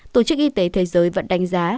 tổ chức y tế thế giới vẫn đánh giá